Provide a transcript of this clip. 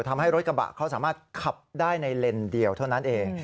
ทำให้รถกระบะเขาสามารถขับได้ในเลนส์เดียวเท่านั้นเอง